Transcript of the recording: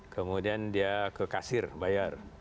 kemudian dia ke kasir bayar